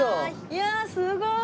いやすごい！